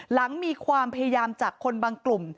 หลังมีความพยายามจากคนบางกลุ่ม